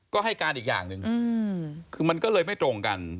ก็ให้การอีกอย่างหนึ่งคือมันก็เลยไม่ตรงกัน